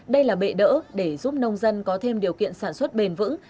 đây là bệ đỡ để giúp nông dân có thêm điều kiện sản xuất bền vững